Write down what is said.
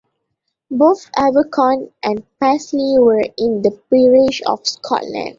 Both Abercorn and Paisley were in the peerage of Scotland.